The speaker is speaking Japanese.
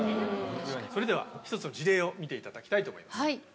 それでは一つの事例を見ていただきたいと思います。